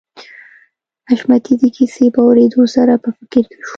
حشمتي د کيسې په اورېدو سره په فکر کې شو